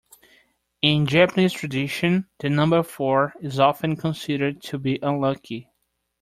In Japanese tradition, the number four is often considered to be unlucky